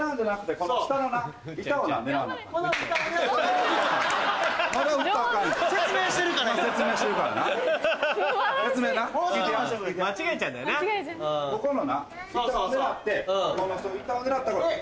ここのな板を狙ってこの下の板を狙って。